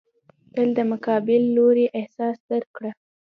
تل د مقابل لوري احساس درک کړه.